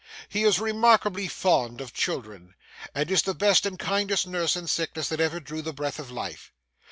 He is remarkably fond of children, and is the best and kindest nurse in sickness that ever drew the breath of life.